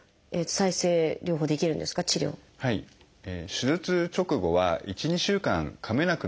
手術直後は１２週間かめなくなることがございます。